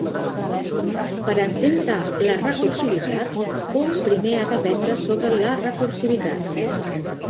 Per entendre la recursivitat, un primer ha d'aprendre sobre la recursivitat.